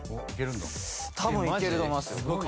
たぶんいけると思いますよ